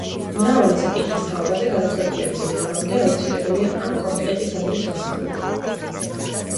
მრავალი საკითხის თაობაზე გადაწყვეტილების მიღებამდე აუცილებელია ამ კომიტეტის აზრის მოსმენა.